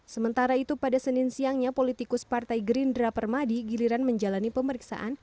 sementara itu pada senin siangnya politikus partai gerindra permadi giliran menjalani pemeriksaan